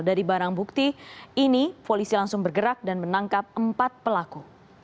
dari barang bukti ini polisi langsung bergerak dan menangkap empat pelaku